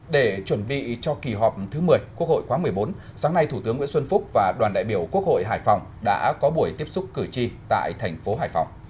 để chuẩn bị cho kỳ họp thứ một mươi quốc hội khóa một mươi bốn sáng nay thủ tướng nguyễn xuân phúc và đoàn đại biểu quốc hội hải phòng đã có buổi tiếp xúc cử tri tại thành phố hải phòng